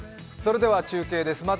それでは中継です。